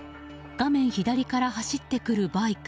画面左から走ってくるバイク。